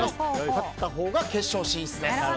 勝ったほうが決勝進出です。